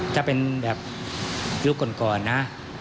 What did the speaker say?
ถ้าเป็นแบบยุคก่อนนะ